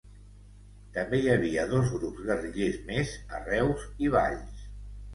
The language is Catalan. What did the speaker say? També hi havia dos grups guerrillers més a Reus i Valls.